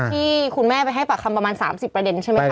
ที่คุณแม่ไปให้ปากคำประมาณ๓๐ประเด็นใช่ไหมคะ